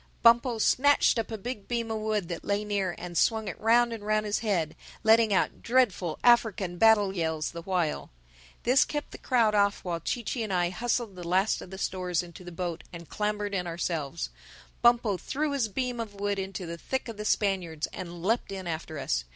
Bumpo snatched up a big beam of wood that lay near and swung it round and round his head, letting out dreadful African battle yells the while. This kept the crowd off while Chee Chee and I hustled the last of the stores into the boat and clambered in ourselves. Bumpo threw his beam of wood into the thick of the Spaniards and leapt in after us.